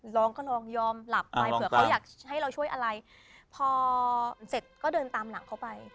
น้องก็ลองยอมหลับไปเผื่อเขาอยากให้เราช่วยอะไรพอเสร็จก็เดินตามหลังเขาไป